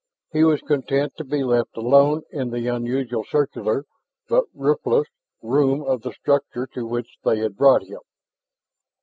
He was content to be left alone in the unusual circular, but roofless, room of the structure to which they had brought him.